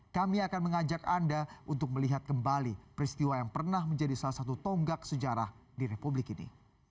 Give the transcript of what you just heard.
kami akan mengajak anda untuk melihat kembali peristiwa yang pernah menjadi salah satu tonggak sejarah di republik ini